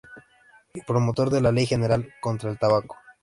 Y promotor de la Ley General contra el tabaco.